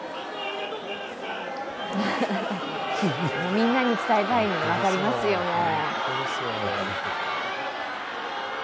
みんなに伝えたいの、分かりますよ、もう。